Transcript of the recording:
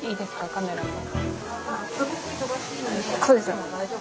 カメラも。